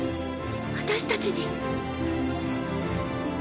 私たちに。